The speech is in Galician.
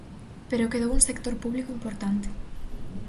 Pero quedou un sector público importante.